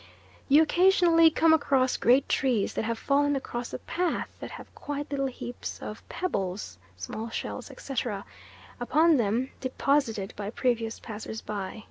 You occasionally come across great trees that have fallen across a path that have quite little heaps of pebbles, small shells, etc., upon them deposited by previous passers by.